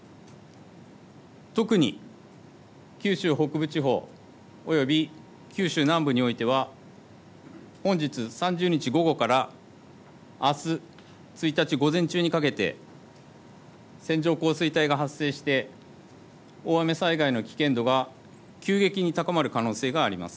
特に九州北部地方および九州南部においては本日３０日午後からあす１日午前中にかけて線状降水帯が発生して大雨災害の危険度が急激に高まる可能性があります。